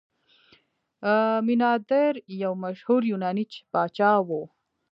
میناندر یو مشهور یوناني پاچا و